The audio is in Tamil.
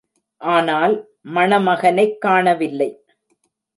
ஆனால், மணமகனைக் காணவில்லை.